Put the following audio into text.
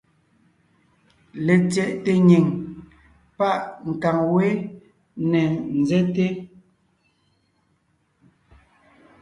Letsyɛʼte nyìŋ páʼ nkàŋ wé ne ńzɛ́te.